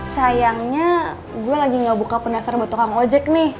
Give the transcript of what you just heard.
sayangnya gue lagi gak buka pendaftar buat tukang ojek nih